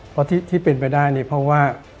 เพราะที่เป็นไปได้เนี่ยเพราะว่า